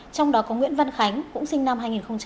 trong đó có nguyễn văn khánh cũng sinh năm hai nghìn